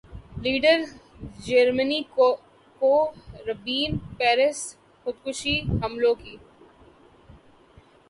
leader Jeremy Corbyn Paris خودکش حملوں کے